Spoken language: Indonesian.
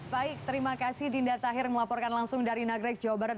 baik terima kasih dinda tahir melaporkan langsung dari nagrek jawa barat